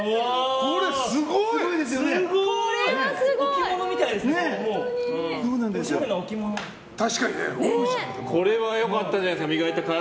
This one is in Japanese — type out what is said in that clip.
これは磨いたかいあったんじゃないですか？